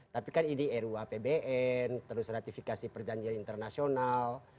tapi kan ini ruu apbn terus ratifikasi perjanjian internasional